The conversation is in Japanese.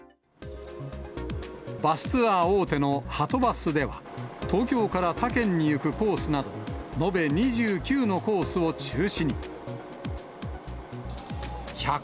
バスツアー大手のはとバスでは、東京から他県に行くコースなど、延べ２９のコースを中止に。